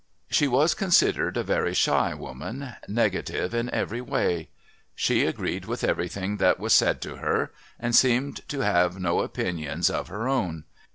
She was considered a very shy woman, negative in every way. She agreed with everything that was said to her and seemed to have no opinions of her own.